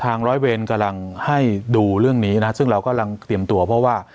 ร้อยเวรกำลังให้ดูเรื่องนี้นะซึ่งเรากำลังเตรียมตัวเพราะว่า